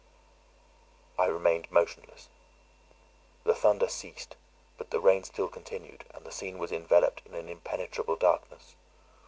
I remained motionless. The thunder ceased; but the rain still continued, and the scene was enveloped in an impenetrable darkness.